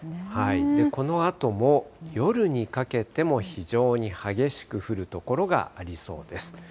このあとも、夜にかけても非常に激しく降る所がありそうです。